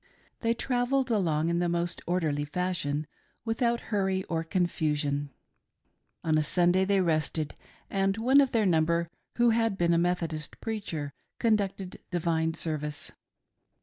They travelled along in the most orderly fashion, without hurry or confusion. On Sunday they rested, and one of their number who had been a Methodist preacher conducted divine service.